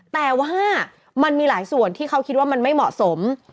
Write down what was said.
แต่ว่ามันมีหลายส่วนที่เขาคิดว่ามันไม่เหมาะสม